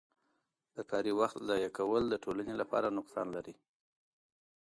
د کاري وخت ضایع کول د ټولنې لپاره نقصان لري.